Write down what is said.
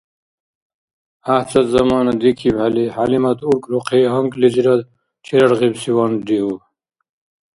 ГӀяхӀцад замана дикибхӀели ХӀялимат уркӀрухъи гьанкӀлизирад чераргъибсиван риуб.